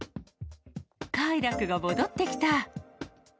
快楽が戻ってきた。